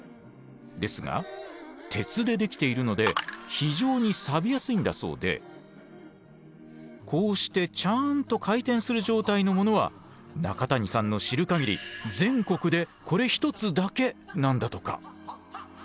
ですが鉄でできているので非常にさびやすいんだそうでこうしてちゃんと回転する状態のものは中谷さんの知る限り全国でこれ１つだけなんだとか。